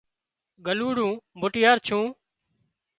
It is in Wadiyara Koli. ڳلُوڙون موٽيار ڇُون